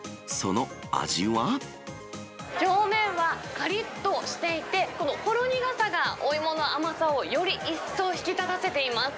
表面はかりっとしていて、このほろ苦さがお芋の甘さをより一層引き立たせています。